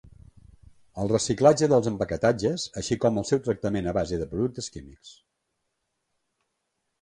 El reciclatge dels empaquetatges així com el seu tractament a base de productes químics.